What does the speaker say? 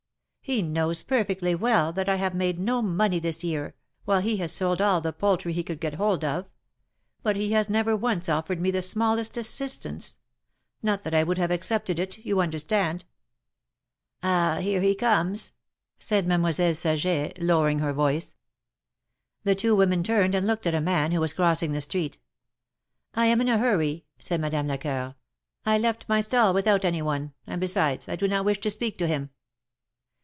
He knows perfectly well that I have made no money this year, while he has sold all the poultry he could get hold of ; but he has never once offered me the smallest assistance; not that I would have accepted it, you understand." ^'Ah I here he comes," said Mademoiselle Saget, lowering her voice. The two women turned and looked at a man who was crossing the street. I am in a hurry," said Madame Lecoeur, I left my stall without any one ; and, besides, I do not wish to speak to him."